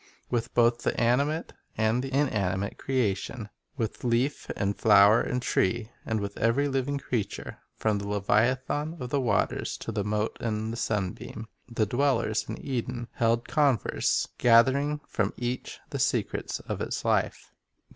With both the animate and the inanimate creation, — with leaf and flower and tree, and with every living creature, from the leviathan of the waters to the mote in the sunbeam, — the dwellers in Eden held converse, gathering from each the secrets of its life.